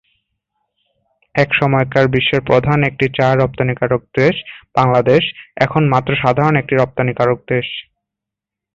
এক সময়কার বিশ্বের প্রধান একটি চা রপ্তানিকারক দেশ, বাংলাদেশ এখন মাত্র সাধারণ এক রপ্তানিকারক দেশ।